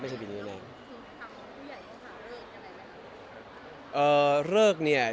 คุณทำของผู้ใหญ่จะหาเริกกันไหนนะครับ